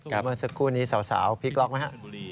เมื่อสักครู่นี้สาวพลิกล็อกไหมฮะ